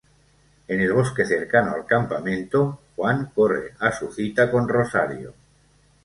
En el bosque cercano al campamento, Juan corre a su cita con Rosario.